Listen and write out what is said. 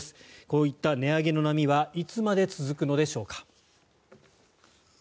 こういった値上げの波はいつまで続くのでしょうか。